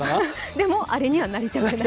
でもアリにはなりたくない。